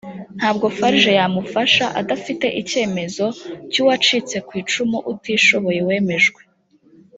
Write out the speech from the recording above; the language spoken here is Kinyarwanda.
ntabwo farg yamufasha adafite icyemezo cy uwacitse ku icumu utishoboye wemejwe